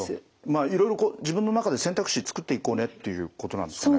いろいろ自分の中で選択肢作っていこうねということなんですかね。